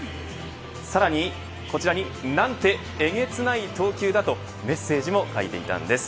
さらにこちらになんてえげつない投球だ、とメッセージも書いていたんです。